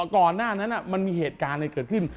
ก่อนหน้านั้นมันมีเหตุการณ์อะไรเกิดขึ้น